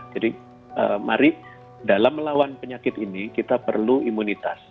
jadi mari dalam melawan penyakit ini kita perlu imunitas